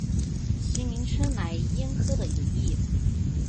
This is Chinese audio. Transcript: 其名称来燕科的尾翼。